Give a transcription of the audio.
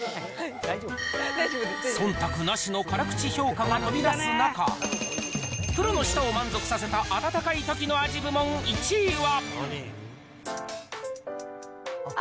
そんたくなしの辛口評価が飛び出す中、プロの舌を満足させた温かいときの味部門１位は。